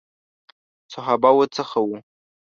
صحابه وو څخه وو.